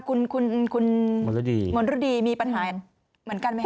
คุณมนตรดีมีปัญหาเหมือนกันไหมครับ